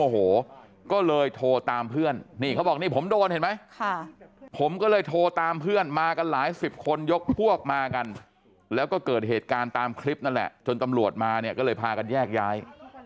โอ้โหก็เลยโทรตามเพื่อนนี่เขาบอกนี่ผมโดนเห็นไหมผมก็เลยโทรตามเพื่อนมากันหลายสิบคนยกพวกมากันแล้วก็เกิดเหตุการณ์ตามคลิปนั่นแหละจนตำรวจมาเนี่ยก็เลยพากันแยกย้าย